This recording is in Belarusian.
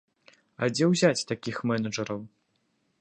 А дзе ўзяць такіх менеджараў?